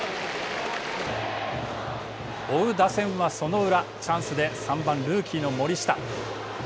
追う打線はその裏チャンスで３番、ルーキーの森下。